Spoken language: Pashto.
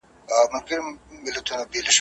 چا پیران اوچا غوثان را ننګوله ,